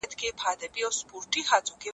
خاطرې د ژوند برخه ده.